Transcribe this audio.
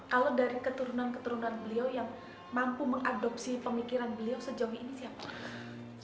kalau dari keturunan keturunan beliau yang mampu mengadopsi pemikiran beliau sejauh ini siapa